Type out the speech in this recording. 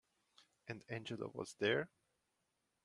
And Angela was there?